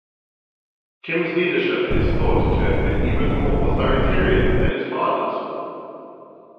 Kim's leadership is thought to have been even more authoritarian than his father's.